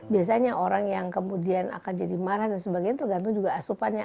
biasanya orang yang kemudian akan jadi marah dan sebagainya tergantung juga asupannya